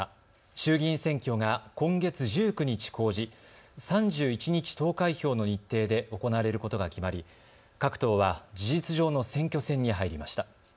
衆議院選挙が今月１９日公示、３１日投開票の日程で行われることが決まり各党は事実上の選挙戦に入りました。